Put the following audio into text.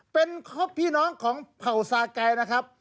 เป็นพี่น้องของเผ่าซาไก่นะครับ